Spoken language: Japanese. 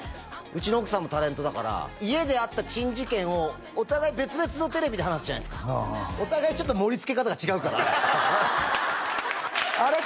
うちの奥さんもタレントだから家であった珍事件をお互い別々のテレビで話すじゃないですかお互いちょっと盛り付け方が違うからあれ？